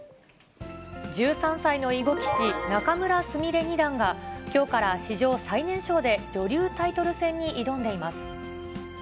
１３歳の囲碁棋士、仲邑菫二段が、きょうから史上最年少で女流タイトル戦に挑んでいます。